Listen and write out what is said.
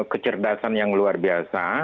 kecerdasan yang luar biasa